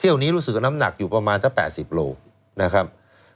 นี้รู้สึกว่าน้ำหนักอยู่ประมาณสัก๘๐โลนะครับ